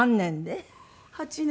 ８年。